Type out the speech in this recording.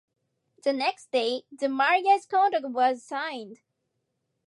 The next day, the marriage contract was signed.